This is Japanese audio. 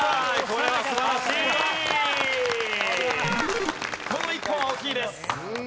この１個は大きいです。